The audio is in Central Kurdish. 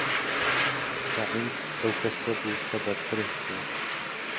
سەعید ئەو کەسە بوو کە بەرپرس بوو.